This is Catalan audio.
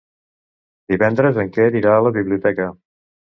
Divendres en Quer irà a la biblioteca.